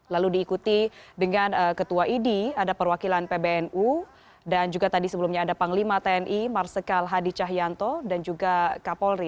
lalu diikuti dengan ketua idi ada perwakilan pbnu dan juga tadi sebelumnya ada panglima tni marsikal hadi cahyanto dan juga kapolri